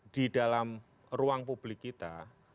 di dalam ruang publik kita